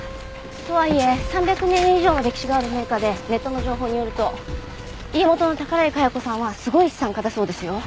とはいえ３００年以上の歴史がある名家でネットの情報によると家元の宝居茅子さんはすごい資産家だそうですよ。